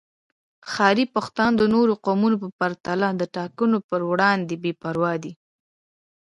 ښاري پښتانه د نورو قومونو په پرتله د ټاکنو پر وړاندې بې پروا دي